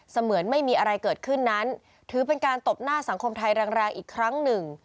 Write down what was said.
เหมือนไม่มีอะไรเกิดขึ้นนั้นถือเป็นการตบหน้าสังคมไทยแรงอีกครั้งหนึ่ง